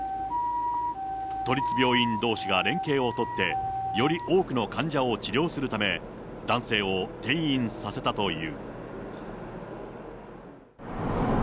都立病院どうしが連携をとって、より多くの患者を治療するため、男性を転院させたという。